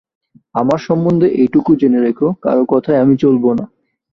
আমার সম্বন্ধে এইটুকু জেনে রেখো, কারও কথায় আমি চলব না।